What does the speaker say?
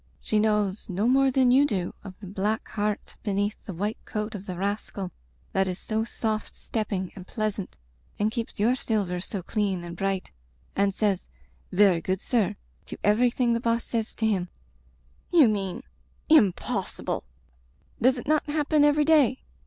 She knows no more than you do of the black heart beneath the white coat of the rascal that is so soft stepping and pleasant and keeps your silver so clean and bright an' says * Very good, sir,' to every thing the boss says to him "" You mean — impossible I " "Does it not happen every day